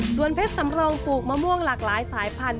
ส่วนเพชรสำรองปลูกมะม่วงหลากหลายสายพันธุ